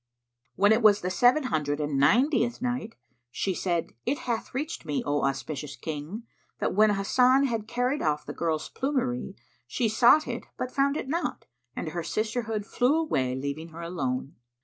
When it was the Seven Hundred and Ninetieth Night, She said, It hath reached me, O auspicious King, that when Hasan had carried off the girl's plumery, she sought it but found it not and her sisterhood flew away leaving her alone.